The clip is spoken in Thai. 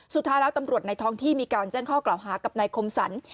สุดท้ายแล้วตำรวจในท้องที่มีการแจ้งข้อกล่าวหากับนายคมสรร